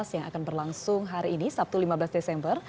yang akan berlangsung hari ini sabtu lima belas desember